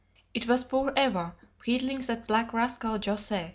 It was poor Eva wheedling that black rascal José.